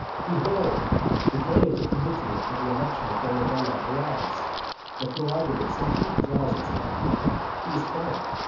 XXXIII. Behold, the day of the comitia for the election of Dolabella arrives. The prerogative century draws its lot. He is quiet.